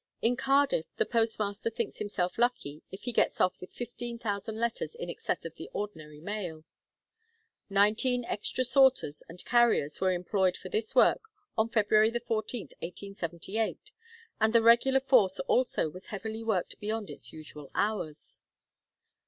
In Cardiff the postmaster thinks himself lucky if he gets off with fifteen thousand letters in excess of the ordinary mail. Nineteen extra sorters and carriers were employed for this work on February 14th, 1878, and the regular force also was heavily worked beyond its usual hours.